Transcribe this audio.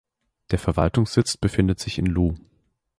Der Verwaltungssitz befindet sich in Lu.